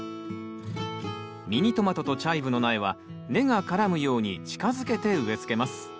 ミニトマトとチャイブの苗は根が絡むように近づけて植え付けます。